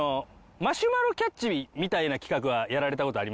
マシュマロキャッチみたいな企画はやられた事ありますか？